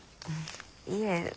いえ。